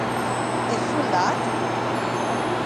Ès soldat?